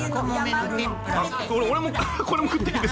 俺もこれも食っていいんですか？